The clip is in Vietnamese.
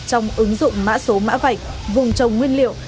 trong ứng dụng mã số mã vạch vùng trồng nguyên liệu